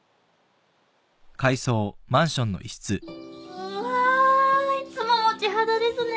うわいつももち肌ですね。